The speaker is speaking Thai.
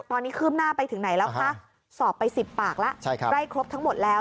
ตอนนี้คืบหน้าไปถึงไหนแล้วคะสอบไป๑๐ปากแล้วไล่ครบทั้งหมดแล้ว